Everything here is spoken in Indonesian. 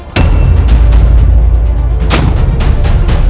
dan menyaksikan dia meregang nyawa